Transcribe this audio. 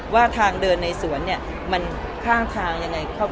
ว่าทางเดินในสวนเนี่ยมันข้างทางยังไง